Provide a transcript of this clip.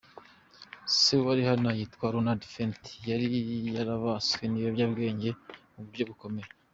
Se wa Rihanna witwa Ronald Fenty yari yarabaswe n’ibiyobyabwenge mu buryo bukomeye.